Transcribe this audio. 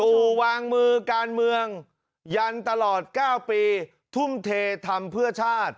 วางมือการเมืองยันตลอด๙ปีทุ่มเททำเพื่อชาติ